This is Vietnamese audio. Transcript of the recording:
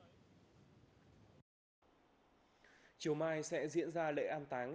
ngày mai sẽ diễn ra lễ an táng